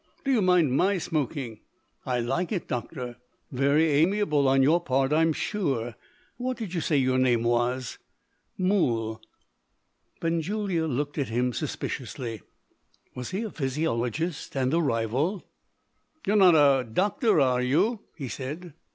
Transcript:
"Do you mind my smoking?" "I like it, doctor." "Very amiable on your part, I'm sure. What did you say your name was?" "Mool." Benjulia looked at him suspiciously. Was he a physiologist, and a rival? "You're not a doctor are you?" he said.